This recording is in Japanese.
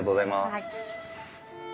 はい。